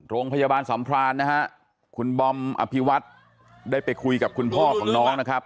โรงพยาบาลสัมพรานนะฮะคุณบอมอภิวัฒน์ได้ไปคุยกับคุณพ่อของน้องนะครับ